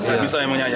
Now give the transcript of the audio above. nggak bisa emangnya ya